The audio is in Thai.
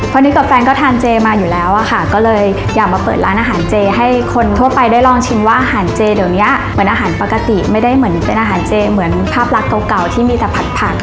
วันนี้กับแฟนก็ทานเจมาอยู่แล้วอะค่ะก็เลยอยากมาเปิดร้านอาหารเจให้คนทั่วไปได้ลองชิมว่าอาหารเจเดี๋ยวนี้เหมือนอาหารปกติไม่ได้เหมือนเป็นอาหารเจเหมือนภาพลักษณ์เก่าที่มีแต่ผัดผัก